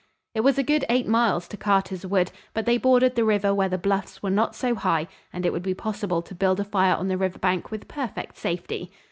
It was a good eight miles to Carter's woods, but they bordered the river where the bluffs were not so high, and it would be possible to build a fire on the river bank with perfect safety.